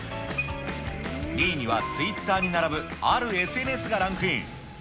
２位にはツイッターに並ぶあるＳＮＳがランクイン。